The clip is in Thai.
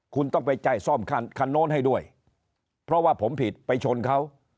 คุณต้องไปจ่ายซ่อมคันโน้นให้ด้วยเพราะว่าผมผิดไปชนเขา